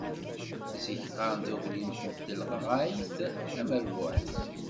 Zik qqaren taglimt n telɣaɣayt d tamerbuḥt.